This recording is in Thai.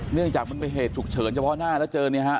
จากมันเป็นเหตุฉุกเฉินเฉพาะหน้าแล้วเจอเนี่ยฮะ